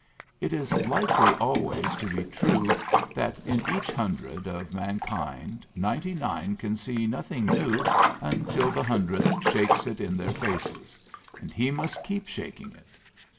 It is likely always to be true that in each hundred of mankind ninety nine can see nothing new until the hundredth shakes it in their faces — and he must keep shaking it.